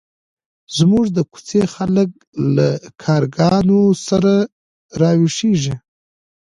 زموږ د کوڅې خلک له کارګانو سره راویښېږي.